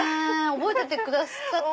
覚えててくださって。